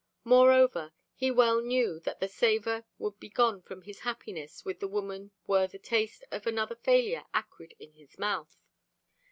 Moreover, he well knew that the savor would be gone from his happiness with the woman were the taste of another failure acrid in his mouth.